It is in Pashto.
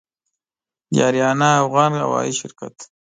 د آریانا افغان هوايي شرکت